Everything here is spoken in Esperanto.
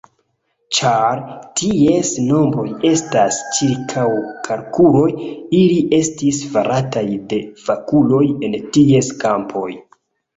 Ĉar ties nombroj estas ĉirkaŭkalkuloj, ili estis farataj de fakuloj en ties kampoj.